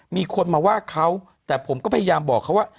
มีคนมาว่าเขาแต่ผมก็พยายามบอกเขาว่า